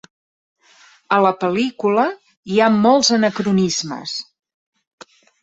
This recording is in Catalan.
A la pel·lícula hi ha molts anacronismes.